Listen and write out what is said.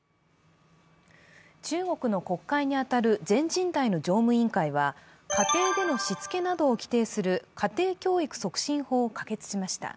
中国の国会に当たる全人代の常務委員会は家庭でのしつけなどを規定する家庭教育促進法を可決しました。